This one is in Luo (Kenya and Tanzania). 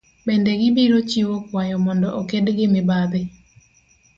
Bende gibiro chiwo kwayo mondo oked gi mibadhi